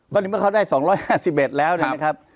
ตอนนี้มันเขาได้๒๕๑แล้วนะครับ